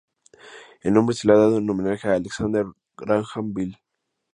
El nombre se le ha dado en homenaje a Alexander Graham Bell.